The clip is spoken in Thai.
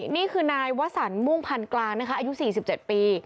นี่คือนายวสันมุ่งพันธุ์กลางนะคะอายุ๔๗ปี